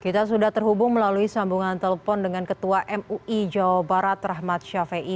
kita sudah terhubung melalui sambungan telepon dengan ketua mui jawa barat rahmat syafiei